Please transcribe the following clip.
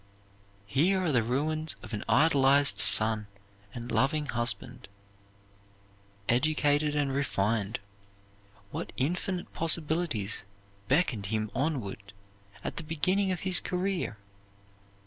Here are the ruins of an idolized son and loving husband. Educated and refined, what infinite possibilities beckoned him onward at the beginning of his career!